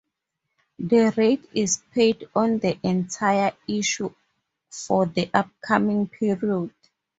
This rate is paid on the entire issue for the upcoming period.